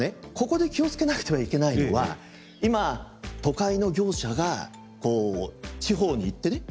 ここで気をつけなくてはいけないのは今都会の業者がこう地方に行ってね